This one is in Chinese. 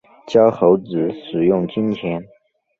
教猴子使用金钱